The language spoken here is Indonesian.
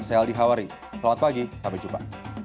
saya aldi hawari selamat pagi sampai jumpa